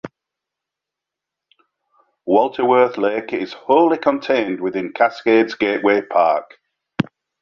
Walter Wirth Lake is wholly contained within Cascades Gateway Park.